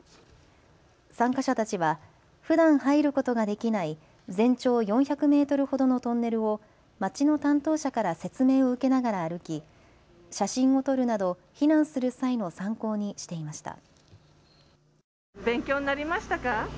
参加者たちはふだん入ることができない全長４００メートルほどのトンネルを町の担当者から説明を受けながら歩き写真を撮るなど避難する際の参考にしていました。